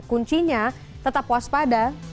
kuncinya tetap waspada